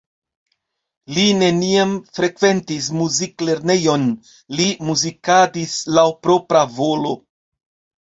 Li neniam frekventis muziklernejon, li muzikadis laŭ propra volo.